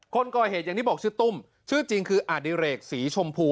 คนก่อเหตุอย่างที่บอกชื่อตุ้มชื่อจริงคืออดิเรกศรีชมพู